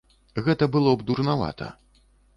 Гэта было б дурнавата.